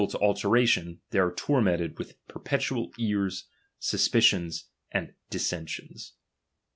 to alteration, they are lormented with perpe ^H tual cares, suspicions, and rlissen^ions.